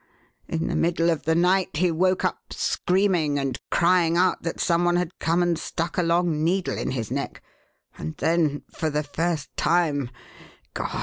In the middle of the night he woke up screaming and crying out that some one had come and stuck a long needle in his neck, and then for the first time God!